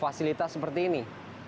fasilitas seperti ini